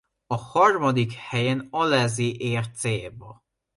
A harmadik helyen Alesi ért célba.